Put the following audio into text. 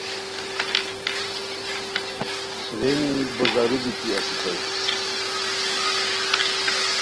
رینی بو زارو بیتی اسیتائے